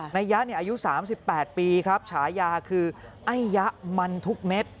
นายยะอายุ๓๘ปีครับฉายาคือไอ้ยะมันทุกเม็ด